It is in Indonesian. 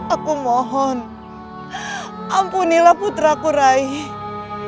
aku mohon ampunilah putraku raih